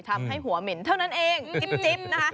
ทำให้หัวเหม็นเท่านั้นเองจิ๊บนะคะ